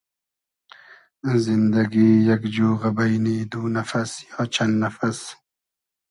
زیندئگی یئگ جوغۂ بݷنی دو نئفئس یا چئن نئفئس